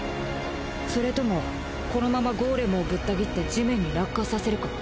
それともこのままゴーレムをぶった切って地面に落下させるか。